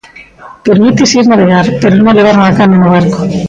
Permítese ir navegar, pero non levar unha cana no barco.